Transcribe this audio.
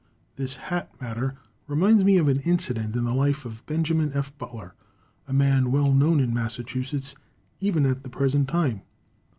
This hat matter reminds me of an incident in the life of Benjamin F. Butler, a man well known in Massachusetts even at the present time.